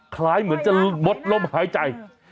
คล้ายเหมือนจะหมดลมหายใจ